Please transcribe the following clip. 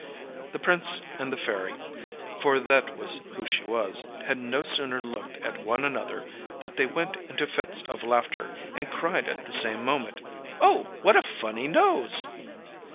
The Prince and the Fairy (for that was who she was) had no sooner looked at one another than they went into fits of laughter, and cried at the same moment, âOh, what a funny nose!